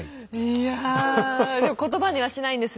いやでも言葉にはしないんですね。